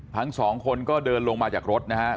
ทั้งสองคนก็เดินลงมาจากรถนะครับ